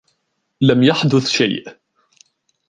لم يحدث شيء.